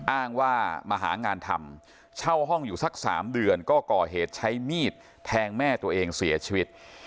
อ้างว่ามาหางานทำเช่าห้องอยู่สัก๓เดือนก็ก่อเหตุใช้มีดแทงแม่ตัวเองเสียชีวิต